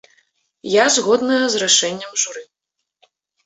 Я згодная з рашэннем журы.